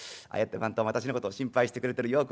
ああやって番頭も私のことを心配してくれてる。